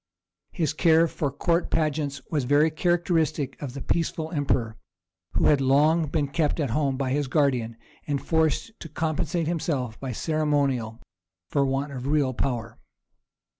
His care for court pageants was very characteristic of the peaceful emperor, who had long been kept at home by his guardian, and forced to compensate himself by ceremonial for the want of real power.